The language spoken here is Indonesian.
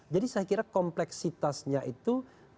saya kira kompleksitasnya itu